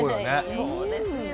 そうですよ。